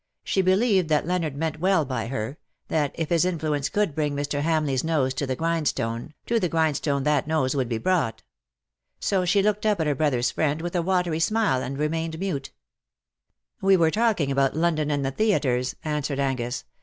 She believed that Leonard meant well by her — that, if his influence could bring Mr. Hamleigh^s nose to the grindstone, to the grindstone that nose would be brought. So she looked up at her brother's friend with a watery smile, and remained mute. '^WHO KNOWS NOT CIRCE?" 255 ^' We were talking about London and the theatres/^ answered Angus.